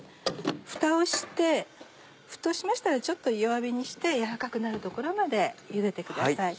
フタをして沸騰しましたらちょっと弱火にして軟らかくなるところまでゆでてください。